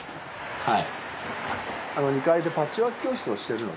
はい。